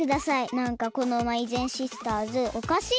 なんかこのまいぜんシスターズおかしい！